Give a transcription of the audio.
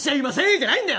じゃないんだよ。